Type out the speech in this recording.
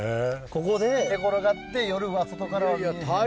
ここで寝転がって夜は外からは見えへんように。